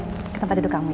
ke tempat hidup kamu ya